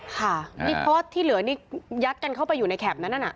นี่เพราะที่เหลือนี่ยัดกันเข้าไปอยู่ในแขบนั้นนะ